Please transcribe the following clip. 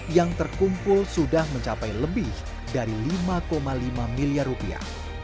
yang terkumpul sudah mencapai lebih dari lima lima miliar rupiah